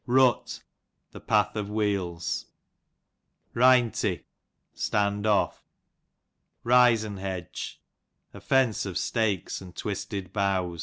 Rut, the path of wheels, Rynt, standoff'. Ryz'n fledge, a fence of strikes and twisted boughs.